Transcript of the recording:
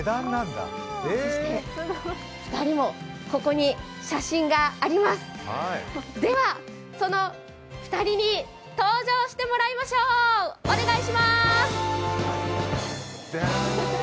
そして２人もここに写真がありますではその２人に登場してもらいましょう、お願いします。